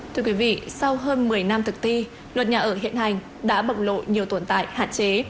thưa quý vị sau hơn một mươi năm thực thi luật nhà ở hiện hành đã bộc lộ nhiều tồn tại hạn chế